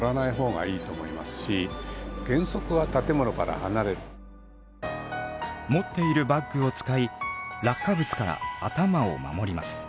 これは持っているバッグを使い落下物から頭を守ります。